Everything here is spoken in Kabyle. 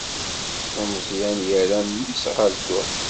Umeẓyan yerra mmi-s ɣer dduḥ.